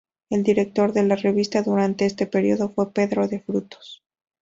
El director de la revista durante este periodo fue Pedro de Frutos.